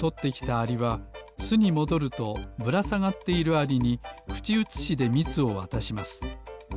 アリはすにもどるとぶらさがっているアリにくちうつしでみつをわたします。